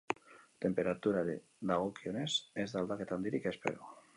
Tenperaturari dagokionez, ez da aldaketa handirik espero.